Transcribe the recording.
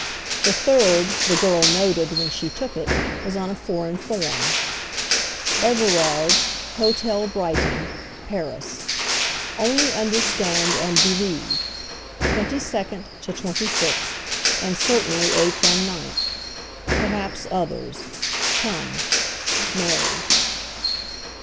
The third, the girl noted when she took it, was on a foreign form: "Everard, Hôtel Brighton, Paris. Only understand and believe. 22nd to 26th, and certainly 8th and 9th. Perhaps others. Come. Mary."